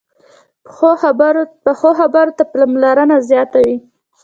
پخو خبرو ته پاملرنه زیاته وي